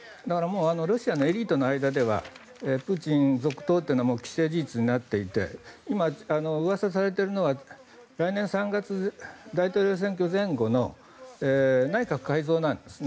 ロシアのエリートの間ではプーチン続投は既成事実になっていて今、噂されているのは来年３月、大統領選挙前後の内閣改造なんですね。